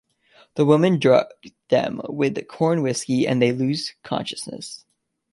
The women drug them with corn whiskey and they lose consciousness.